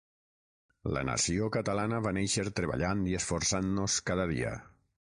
La nació catalana va néixer treballant i esforçant-nos cada dia.